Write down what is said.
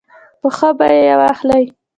په ښه بیه یې واخلي.